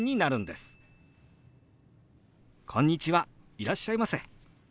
いらっしゃいませ」。